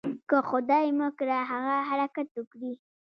که خدای مه کړه هغه حرکت وکړي.